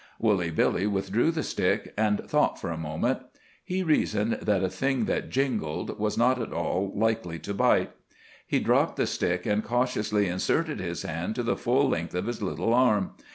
Woolly Billy withdrew the stick and thought for a moment. He reasoned that a thing that jingled was not at all likely to bite. He dropped the stick and cautiously inserted his hand to the full length of his little arm.